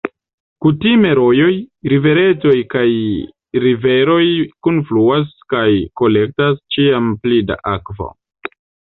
Kutime rojoj, riveretoj kaj riveroj kunfluas kaj kolektas ĉiam pli da akvo.